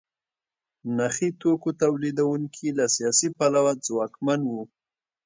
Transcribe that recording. نخي توکو تولیدوونکي له سیاسي پلوه ځواکمن وو.